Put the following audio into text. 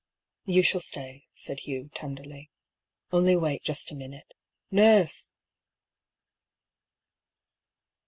" You shall stay," said Hugh, tenderly ;" only wait just a minute. Nurse